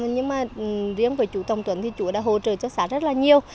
nhưng mà riêng với chú trọng tuấn thì chú đã hỗ trợ cho xã rất là nhiều